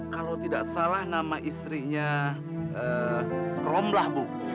kalau tidak salah nama istrinya romlah bu